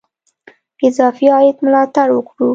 اضافي عاید ملاتړ وکړو.